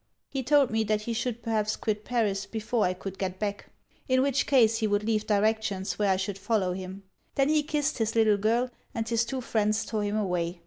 He told me that he should perhaps quit Paris before I could get back; in which case he would leave directions where I should follow him. Then he kissed his little girl, and his two friends tore him away.